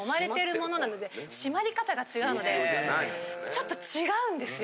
ちょっと違うんですよ。